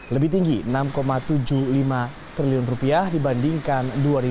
lebih tinggi enam tujuh puluh lima triliun rupiah dibandingkan dua ribu tujuh belas